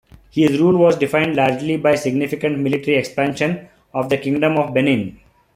His rule was defined largely by significant military expansion of the Kingdom of Benin.